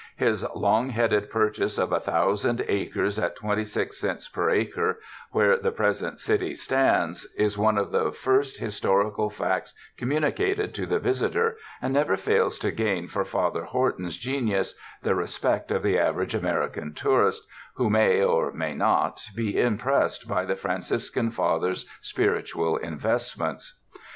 His long headed purchase of a thousand acres at twen ty six cents per acre where the present city stands, is one of the first historical facts communicated to the visitor and never fails to gain for Father Hor ton 's genius the respect of the average American tourist, who may or may not be impressed by the Franciscan Father's spiritual investments.